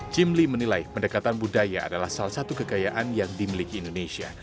jimli menilai pendekatan budaya adalah salah satu kekayaan yang dimiliki indonesia